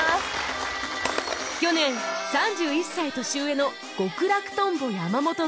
去年３１歳年上の極楽とんぼ山本と電撃結婚